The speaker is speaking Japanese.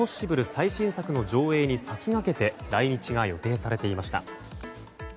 最新作の上映に先がけて来日が予定されていました。